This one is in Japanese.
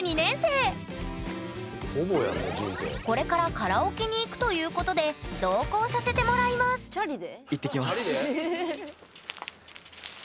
これからカラオケに行くということで同行させてもらいますチャリで？